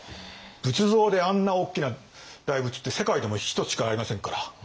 仏像であんな大きな大仏って世界でもひとつしかありませんから。